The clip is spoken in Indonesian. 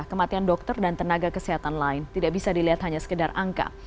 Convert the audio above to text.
kematian dokter dan tenaga kesehatan lain tidak bisa dilihat hanya sekedar angka